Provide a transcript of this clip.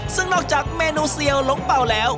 ซึ่งนอกจากเมนูเซียวหลงเป่าแล้ว